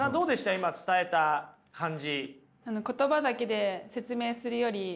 今伝えた感じ。